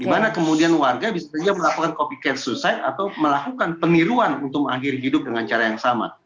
di mana kemudian warga bisa melakukan copycat suicide atau melakukan peniruan untuk mengakhiri hidup dengan cara yang sama